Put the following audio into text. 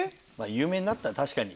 有名になった確かに。